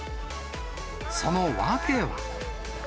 その訳は。